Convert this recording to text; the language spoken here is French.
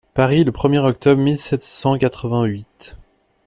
Paris, le premier octobre mille sept cent quatre-vingt-huit.